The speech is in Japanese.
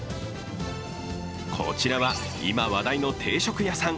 こちらは、今話題の定食屋さん